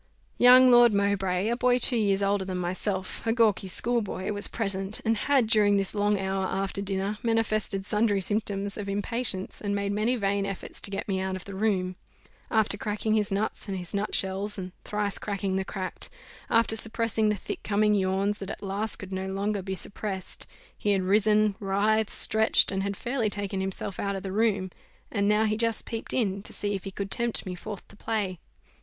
Young Lord Mowbray, a boy two years older than myself, a gawkee schoolboy, was present; and had, during this long hour after dinner, manifested sundry symptoms of impatience, and made many vain efforts to get me out of the room. After cracking his nuts and his nut shells, and thrice cracking the cracked after suppressing the thick coming yawns that at last could no longer be suppressed, he had risen, writhed, stretched, and had fairly taken himself out of the room. And now he just peeped in, to see if he could tempt me forth to play.